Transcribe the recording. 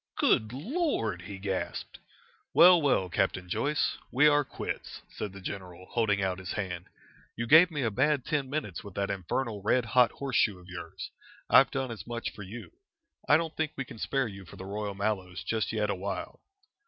"Good Lord!" he gasped. "Well, well, Captain Joyce, we are quits!" said the general, holding out his hand. "You gave me a bad ten minutes with that infernal red hot horseshoe of yours. I've done as much for you. I don't think we can spare you for the Royal Mallows just yet awhile."